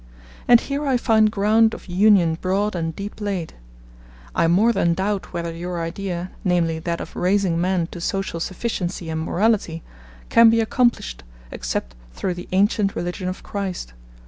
And here I find ground of union broad and deep laid ... I more than doubt whether your idea, namely that of raising man to social sufficiency and morality, can be accomplished, except through the ancient religion of Christ